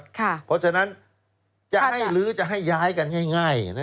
เพราะฉะนั้นจะให้ลื้อจะให้ย้ายกันง่าย